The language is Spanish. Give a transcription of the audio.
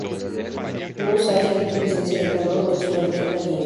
No usar si hay insuficiencia de calor o es una persona yin.